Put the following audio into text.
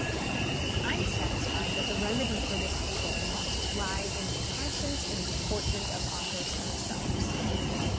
I am satisfied that the remedy for this evil must lie in the conscience and deportment of authors themselves.